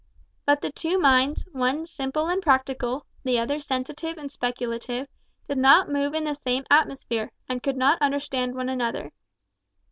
But the two minds, one simple and practical, the other sensitive and speculative, did not move in the same atmosphere, and could not understand one another.